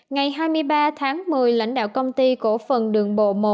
ngày hai mươi ba tháng một mươi lãnh đạo công ty cổ phần đường bộ một